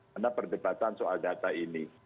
karena perdebatan soal data ini